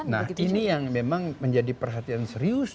nah ini yang memang menjadi perhatian serius